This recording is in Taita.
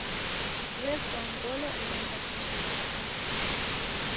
W'efwa ngolo edamba cheshighadi.